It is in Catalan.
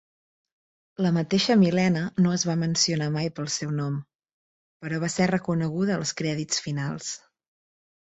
La mateixa Mileena no es va mencionar mai pel seu nom, però va ser reconeguda als crèdits finals.